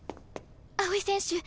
青井選手